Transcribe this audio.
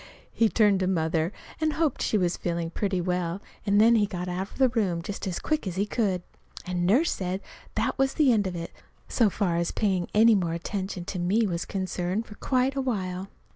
He turned to Mother and hoped she was feeling pretty well, then he got out of the room just as quick as he could. And Nurse said that was the end of it, so far as paying any more attention to me was concerned for quite a while.